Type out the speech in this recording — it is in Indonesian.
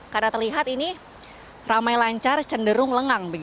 karena terlihat ini ramai lancar cenderung lengang